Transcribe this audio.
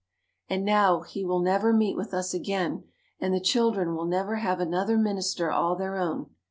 And now he will never meet with us again and the children will never have another minister all their own.